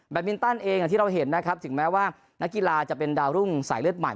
มินตันเองอย่างที่เราเห็นนะครับถึงแม้ว่านักกีฬาจะเป็นดาวรุ่งสายเลือดใหม่